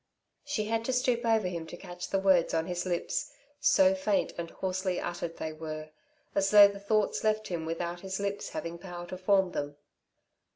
She had to stoop over him to catch the words on his lips, so faint and hoarsely uttered they were, as though the thoughts left him without his lips having power to form them.